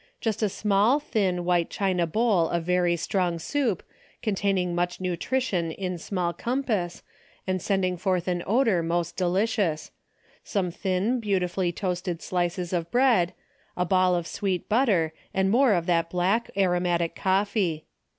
Just a small, thin, white china bowl of very strong soup, contain ing much nutrition in small compass and send ing forth an odor most delicious; some thin beautifully toasted slices of bread, a ball of sweet butter and more of that black aromatic coffee.